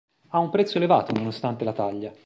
Ha un prezzo elevato, nonostante la taglia.